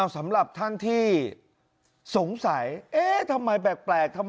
สำหรับท่านที่สงสัยเอ๊ะทำไมแปลก